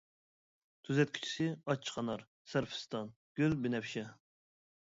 تۈزەتكۈچىسى ئاچچىق ئانار، سەرپىستان، گۈل بىنەپشە.